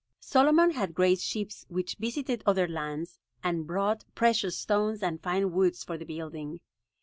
Solomon had great ships which visited other lands and brought precious stones and fine woods for the building.